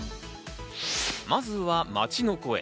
まずは街の声。